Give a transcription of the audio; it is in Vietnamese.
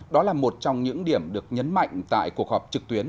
đó là một trong những điểm được nhấn mạnh tại cuộc họp trực tuyến